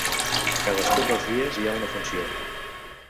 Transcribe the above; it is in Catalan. Cadascun dels dies hi ha una funció.